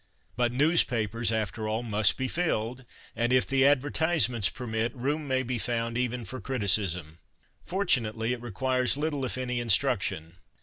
But newspapers, after all, must be filled, and, if the advertisements permit, room may be found even for criticism. Fortunately, it rc(iuires little if any instruction.